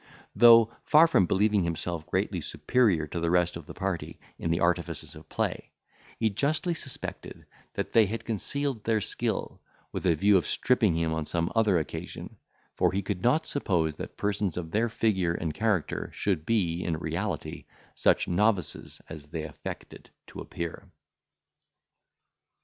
Though, far from believing himself greatly superior to the rest of the party, in the artifices of play, he justly suspected that they had concealed their skill, with a view of stripping him on some other occasion; for he could not suppose that persons of their figure and character should be, in reality, such novices as they affected to appear.